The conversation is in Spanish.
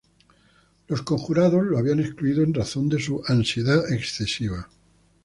Los conjurados lo habían excluido en razón de su ansiedad excesiva.